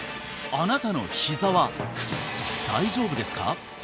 あなたのひざは大丈夫ですか？